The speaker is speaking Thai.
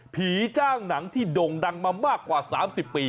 ผีจ้างหนังที่โด่งดังมามากกว่า๓๐ปี